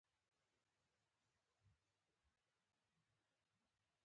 چهاربیتې د پښتو شعر یو خوندور ډول دی.